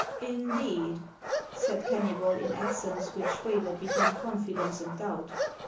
" Indeed !" said Keimybol, in accents which wavered between confidence and doubt.